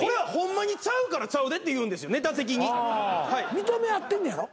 認め合ってんねやろ？